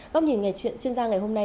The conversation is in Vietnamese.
góc nhìn chuyên gia ngày hôm nay